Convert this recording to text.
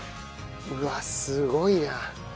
うわっすごいな。